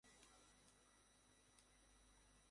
সাধারণ ফটোগ্রাফার নই।